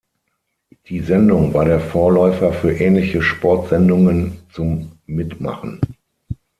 Die Sendung war der Vorläufer für ähnliche Sportsendungen zum Mitmachen.